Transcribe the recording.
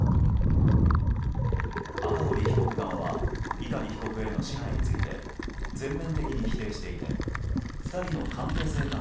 赤堀被告側は碇被告への支配について全面的に否定していて２人の関係性が